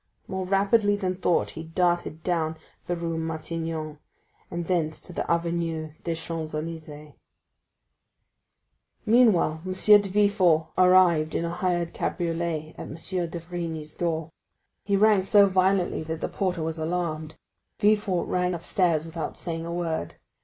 More rapidly than thought, he darted down the Rue Matignon, and thence to the Avenue des Champs Élysées. Meanwhile M. de Villefort arrived in a hired cabriolet at M. d'Avrigny's door. He rang so violently that the porter was alarmed. Villefort ran upstairs without saying a word.